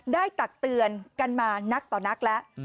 ตักเตือนกันมานักต่อนักแล้ว